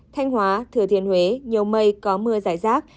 thanh hóa thừa thiên huế nhiều mây có mưa giải rác